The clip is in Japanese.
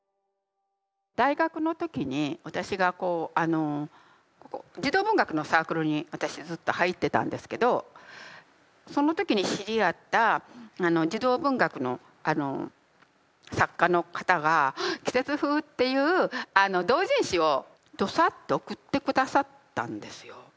大学の時に私が児童文学のサークルに私ずっと入ってたんですけどその時に知り合った児童文学の作家の方が「季節風」っていう同人誌をドサッと送って下さったんですよ。